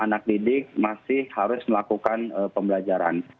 anak didik masih harus melakukan pembelajaran